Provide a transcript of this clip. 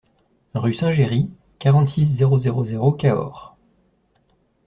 Rue Saint-Géry, quarante-six, zéro zéro zéro Cahors